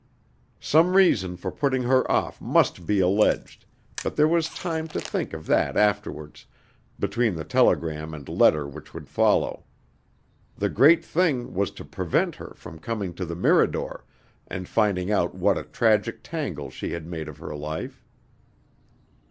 Some reason for putting her off must be alleged, but there was time to think of that afterwards, between the telegram and letter which would follow. The great thing was to prevent her from coming to the Mirador, and finding out what a tragic tangle she had made of her life.